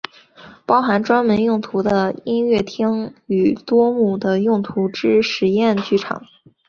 包含专门用途的音乐厅与多目的用途之实验剧场。